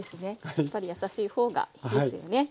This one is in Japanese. やっぱり優しいほうがいいですよね。